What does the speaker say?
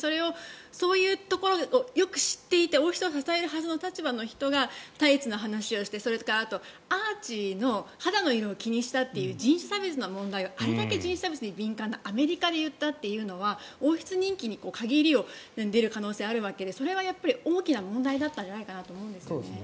そういうところをよく知っていて王室を支える立場の人がタイツの話をしてそれからアーチーの肌の色を気にしたという人種差別の問題をあれだけ人種差別の問題に敏感なアメリカで言ったというのは王室人気に限りを入れる可能性があるわけでこれは大きな問題だったんじゃないかと思いますね。